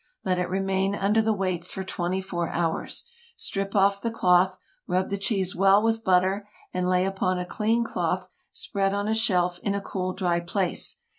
Let it remain under the weights for twenty four hours. Strip off the cloth, rub the cheese well with butter, and lay upon a clean cloth spread on a shelf in a cool, dry place.